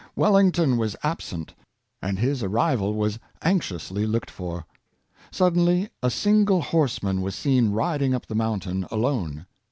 Wellington was absent, and his arrival was anxiously looked for. Suddenly a single horseman was seen riding up the mountain alone.